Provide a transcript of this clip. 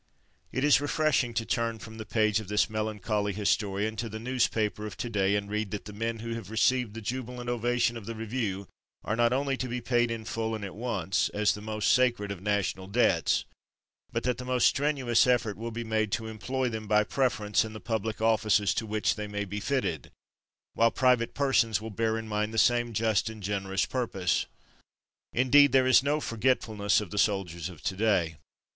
It is refreshing to turn from the page of this melancholy historian to the newspaper of to day, and read that the men who have received the jubilant ovation of the review are not only to be paid in full and at once, as the most sacred of national debts, but that the most strenuous effort will be made to employ them by preference in the public offices to which they may be fitted, while private persons will bear in mind the same just and generous purpose. Indeed, there is no forgetfulness of the soldiers of to day.